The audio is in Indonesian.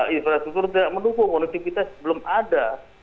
infrastruktur tidak menunggu konditivitas belum ada